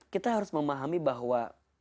kita harus memahami bahwa